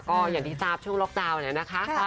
ก็อย่างที่ทราบช่วงล็อกดาวน์เนี่ยนะคะ